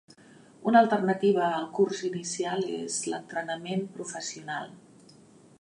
Una alternativa al curs inicial és el l'entrenament professional.